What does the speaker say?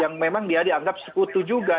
yang memang dia dianggap sekutu juga